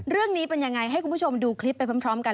เรื่องนี้เป็นยังไงให้คุณผู้ชมดูคลิปไปพร้อมกัน